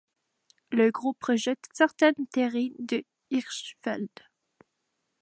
Le groupe rejette certaines théories de Hirschfeld.